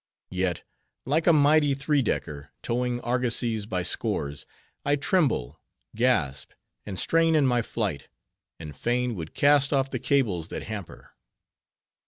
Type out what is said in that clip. Yet, like a mighty three decker, towing argosies by scores, I tremble, gasp, and strain in my flight, and fain would cast off the cables that hamper.